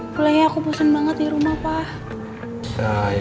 kuliahnya aku pesen banget di rumah pak